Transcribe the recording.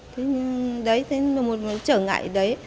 thế đấy thế là một trở ngại đấy